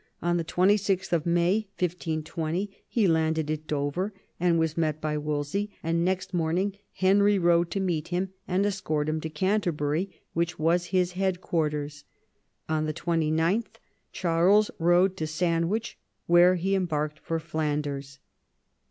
On 26th May 1520 he landed at Dover, and was met by Wolsey ; next morning Henry rode to meet him and escort him to Canterbury, which was his headquarters; on the 29th Charles rode to Sandwich, where he embarked for Flanders.